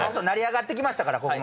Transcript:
成り上がってきましたから。